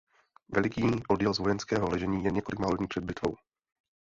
Veliký odjel z vojenského ležení jen několik málo dní před bitvou.